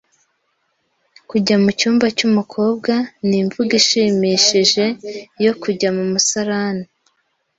"Kujya mucyumba cy'umukobwa" ni imvugo ishimishije yo "kujya mu musarani."